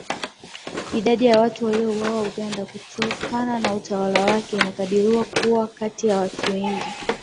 Idadi ya watu waliouawa Uganda kutokana na utawala wake imekadiriwa kuwa kati ya wengi